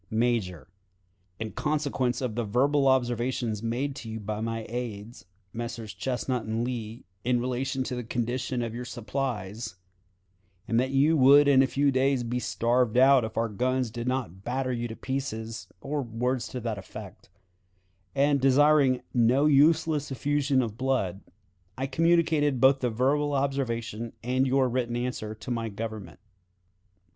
"Major: In consequence of the verbal observations made by you to my aides, Messrs. Chesnut and Lee, in relation to the condition of your supplies, and that you would in a few days be starved out if our guns did not batter you to pieces or words to that effect and desiring no useless effusion of blood, I communicated both the verbal observation and your written answer to my Government.